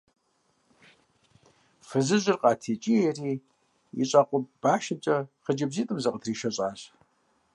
Фызыжьыр къатекӀиери и щӀакъуэ башымкӀэ хъыджэбзитӀым закъытришэщӀащ.